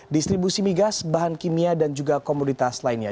distribusi migas bahan kimia dan juga komoditas lainnya